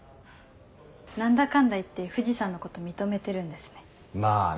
何だかんだ言って藤さんのこと認めてるんですね。